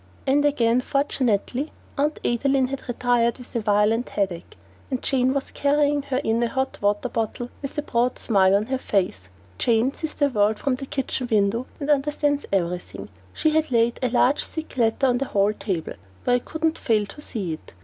And again, fortunately, Aunt Adeline had retired with a violent headache, and Jane was carrying her in a hot water bottle with a broad smile on her face. Jane sees the world from the kitchen window and understands everything. She had laid a large thick letter on the hall table where I couldn't fail to see it.